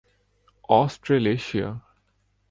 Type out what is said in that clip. Australasia